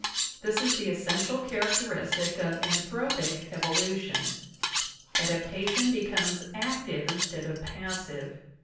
This is the essential characteristic of anthropic evolution. Adaptation becomes active instead of passive.